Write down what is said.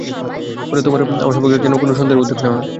ওর, তোমার বা আমার সম্পর্কে কোনও সন্দেহের উদ্রেক যেন না হয়।